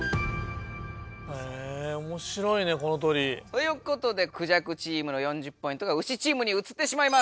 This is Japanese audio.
ということでクジャクチームの４０ポイントがウシチームにうつってしまいます。